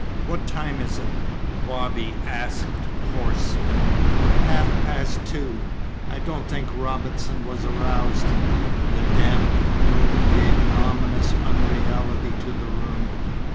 "What time is it?" Bobby asked hoarsely. "Half past two. I don't think Robinson was aroused." The damp moon gave an ominous unreality to the room.